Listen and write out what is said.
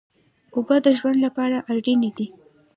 اوبه د ژوند لپاره اړینې دي.